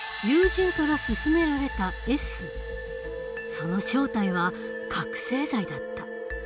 その正体は覚醒剤だった。